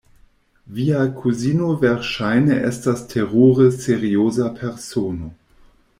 Via kuzino verŝajne estas terure serioza persono!